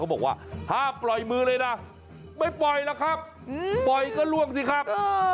เขาบอกว่าท่าปล่อยมือเลยน่ะไม่ปล่อยรักครับปล่อยก็ร่วงใช่ก่อนครับ